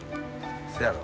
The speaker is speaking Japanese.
せやろ。